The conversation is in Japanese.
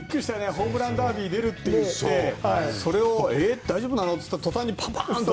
ホームランダービー出ると言ってそれを大丈夫なのと言ったとたんにパンパンと。